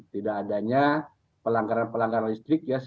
tidak adanya pelanggaran pelanggaran listrik ya